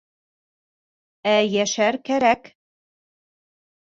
Ә йәшәр кәрәк.